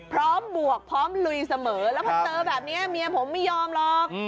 บวกพร้อมลุยเสมอแล้วพอเจอแบบนี้เมียผมไม่ยอมหรอก